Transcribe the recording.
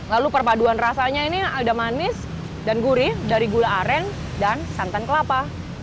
lalu perpaduan rasanya ini ada manis dan gurih dari gula aren dan santan kelapa